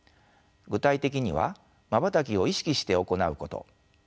具体的にはまばたきを意識して行うこと